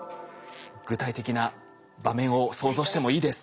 具体的な場面を想像してもいいです。